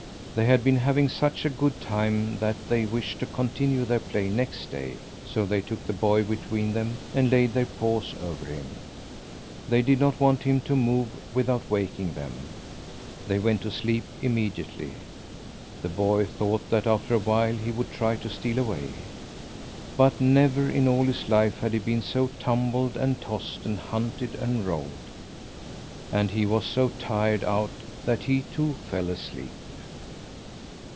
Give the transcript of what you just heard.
They had been having such a good time that they wished to continue their play next day; so they took the boy between them and laid their paws over him. They did not want him to move without waking them. They went to sleep immediately. The boy thought that after a while he would try to steal away. But never in all his life had he been so tumbled and tossed and hunted and rolled! And he was so tired out that he too fell asleep.